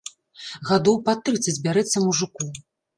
Гадоў пад трыццаць бярэцца мужыку.